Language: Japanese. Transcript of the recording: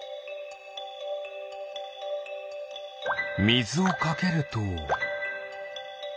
みずをかけると。